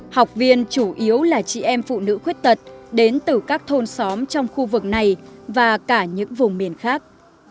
học viên chủ yếu là chị em phụ nữ khuyết tật đến từ các thôn xóm trong khu vực này và cả những vùng miền khác